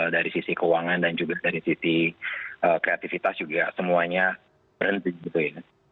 jadi kita harus memiliki kemampuan untuk melakukan perkembangan yang lebih baik